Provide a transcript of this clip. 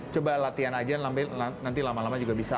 coba latihan aja nanti lama lama juga bisa